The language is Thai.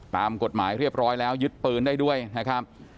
ตามกฎหมายเรียบร้อยแล้วยึดปืนได้ด้วยนะครับ